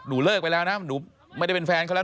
เลิกไปแล้วนะหนูไม่ได้เป็นแฟนเขาแล้ว